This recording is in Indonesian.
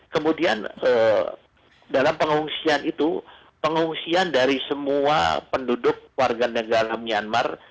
kemudian dalam pengungsian itu pengungsian dari semua penduduk warga negara myanmar